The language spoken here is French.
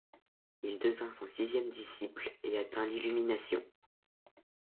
Il devint son sixième disciple et atteint l'illumination.